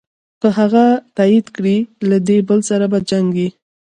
که هغه تایید کړې له دې بل سره په جنګ یې.